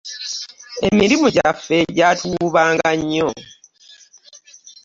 Emirimu gyaffe egyatuwuubanga nnyo.